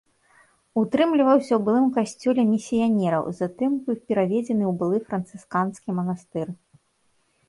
Утрымліваўся ў былым касцёле місіянераў, затым быў пераведзены ў былы францысканскі манастыр.